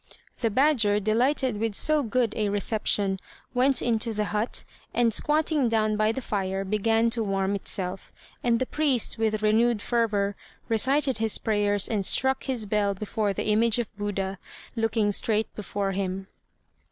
The badger, delighted with so good a reception, went into the hut, and squatting down by the fire began to warm itself; and the priest, with renewed fervour, recited his prayers and struck his bell before the image of Buddha, looking straight before him.